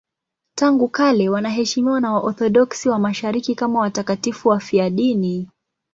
Tangu kale wanaheshimiwa na Waorthodoksi wa Mashariki kama watakatifu wafiadini.